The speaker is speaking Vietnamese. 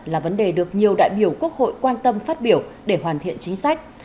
là vấn đề được nhiều đại biểu quốc hội quan tâm phát biểu để hoàn thiện chính sách